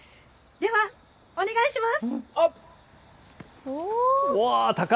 ではお願いします。